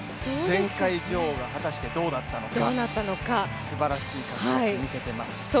前回女王が果たしてどうだったのか、すばらしい活躍を見せています